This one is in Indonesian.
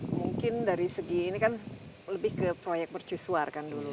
mungkin dari segi ini kan lebih ke proyek mercusuar kan dulu